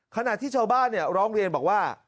ขณะที่ชาวบ้านร้องเรียนบอกว่า